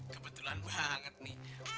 kebetulan banget nih